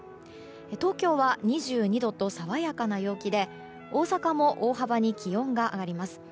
東京は２２度と爽やかな陽気で大阪も大幅に気温が上がります。